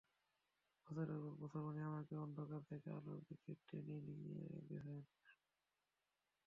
বছরের পর বছর উনি আমাকে অন্ধকার থেকে আলোর দিকে টেনে নিয়ে গেছেন।